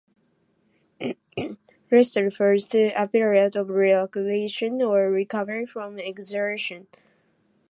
"Rest" refers to a period of relaxation or recovery from exertion.